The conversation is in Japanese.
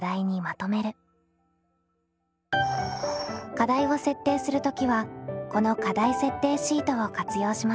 課題を設定する時はこの課題設定シートを活用しましょう。